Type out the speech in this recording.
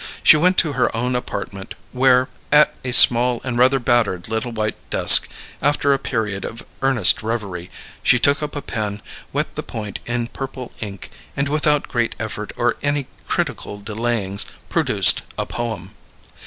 She went to her own apartment, where, at a small and rather battered little white desk, after a period of earnest reverie, she took up a pen, wet the point in purple ink, and without great effort or any critical delayings, produced a poem.